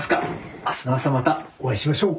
明日の朝またお会いしましょう。